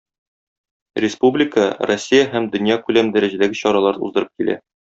Республика, Россия һәм дөньякүләм дәрәҗәдәге чаралар уздырылып килә.